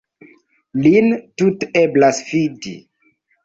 Lin tute eblas fidi.